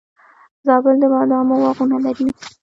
زابل د بادامو باغونه لري